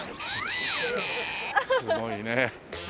すごいね。